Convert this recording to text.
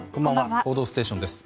「報道ステーション」です。